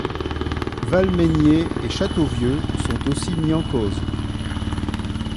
Valmeinier et Châteauvieux sont aussi mis en cause.